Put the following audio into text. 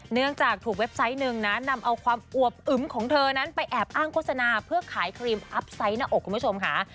เนื่องจากถูกเว็บไซต์หนึ่งนะนำเอาความอวบอึมของเธอนั้นไปแอบอ้างโฆษณาเพื่อขายครีมอัพไซต์หน้าอกคุณผู้ชมค่ะ